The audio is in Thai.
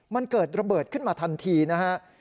มันเกิดระเบิดขึ้นมาทันทีนะฮะ